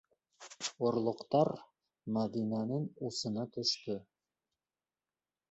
Орлоҡтар Мәҙинәнең усына төштө...